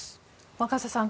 若狭さん